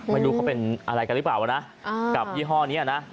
ไม่รู้เขาเป็นอะไรกันหรือเปล่านะกับยี่ห้อนี้นะ